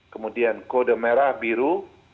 kemudian kode merah biru